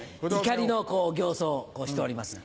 怒りの形相をしておりますが。